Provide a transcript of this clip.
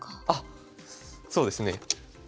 あっそうですね。